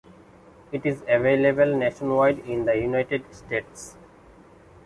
It is available nationwide in the United States.